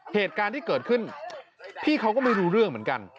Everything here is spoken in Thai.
เหตุการณ์ที่เกิดขึ้นพี่เขาก็ไม่รู้เรื่องเหมือนกัน